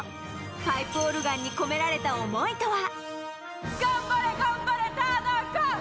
パイプオルガンに込められた思いとは。